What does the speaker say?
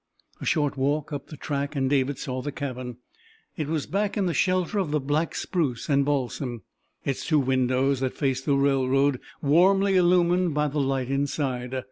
A short walk up the track and David saw the cabin. It was back in the shelter of the black spruce and balsam, its two windows that faced the railroad warmly illumined by the light inside.